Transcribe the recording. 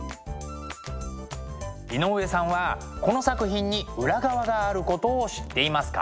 井上さんはこの作品に裏側があることを知っていますか？